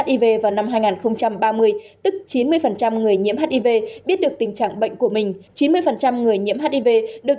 hiv vào năm hai nghìn ba mươi tức chín mươi người nhiễm hiv biết được tình trạng bệnh của mình chín mươi người nhiễm hiv được